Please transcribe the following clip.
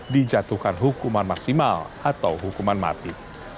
dijatuhkan hukuman maksimal atau hukuman mati